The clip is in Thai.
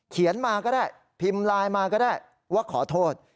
เขียนมาก็ได้พิมพ์ไลน์มาก็ได้ว่าขอโทษ